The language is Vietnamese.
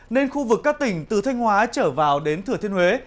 nên khu vực các tỉnh từ thanh hóa trở vào đến thừa thiên huế